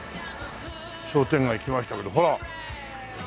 商店街来ましたけどほら。